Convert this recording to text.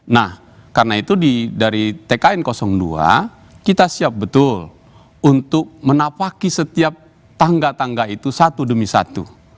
nah karena itu dari tkn dua kita siap betul untuk menapaki setiap tangga tangga itu satu demi satu